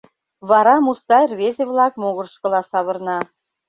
Вара Мустай рвезе-влак могырышкыла савырна.